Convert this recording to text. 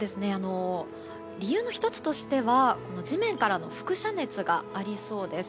理由の１つとしては地面からの輻射熱がありそうです。